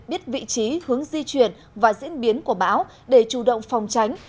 biết vị trí hướng di chuyển và diễn biến của bão để chủ động phòng tránh